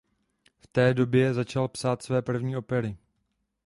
V té době začal psát své první opery.